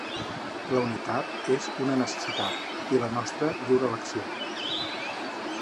La unitat és una necessitat i la nostra lliure elecció.